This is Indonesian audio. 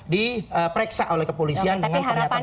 diperiksa oleh kepolisian dengan pernyataan